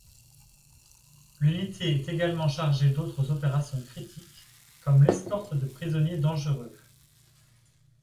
L'unité est également chargée d'autres opérations critiques, comme l'escorte de prisonniers dangereux.